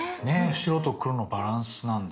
白と黒のバランスなんだ。